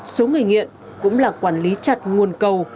số người nghiện cũng là quản lý chặt nguồn cầu